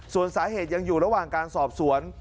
ส่วนสาเหตุยังอยู่ระหว่างการสอบสวน